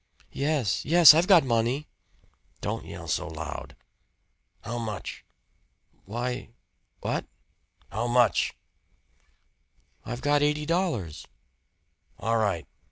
"Yes. Yes I've got money." "Don't yell so loud. How much?" "Why what?" "How much?" "I've got eighty dollars." "All right.